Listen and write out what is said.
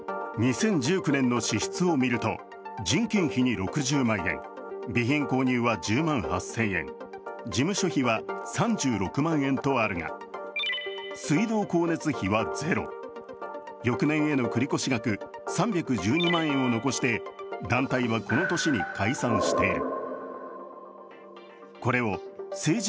２０１９年の支出を見ると人件費に６０万円、備品購入は１０万８０００円、事務所費は３６万円とあるが、水道光熱費はゼロ、翌年への繰越額３１２万円を残して団体はこの年に解散している。